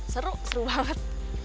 seru seru banget